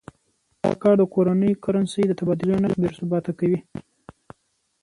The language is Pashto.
دا کار د کورنۍ کرنسۍ د تبادلې نرخ بې ثباته کوي.